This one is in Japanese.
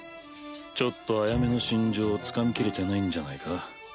ちょっとアヤメの心情つかみきれてないんじゃないか？